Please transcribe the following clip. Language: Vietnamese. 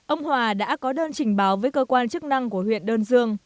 ông hòa đã có đơn trình báo với cơ quan chức năng của huyện đơn dương